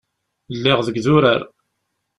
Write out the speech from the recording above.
Lliɣ deg idurar.